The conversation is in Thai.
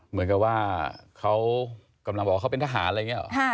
เหมือนกับว่าเขากำลังบอกเขาเป็นทหารไรเงี้ยเหรอ